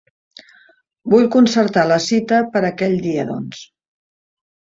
Vull concertar la cita per aquell dia, doncs.